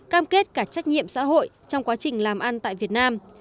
cam kết cả trách nhiệm xã hội trong quá trình làm ăn tại việt nam